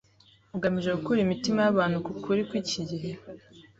ugamije gukura imitima y’abantu ku kuri kw’iki gihe.